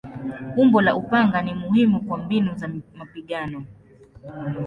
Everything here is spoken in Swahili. Umbo la upanga ni muhimu kwa mbinu za mapigano.